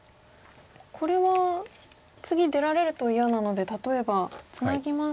これは次出られると嫌なので例えばツナぎますと。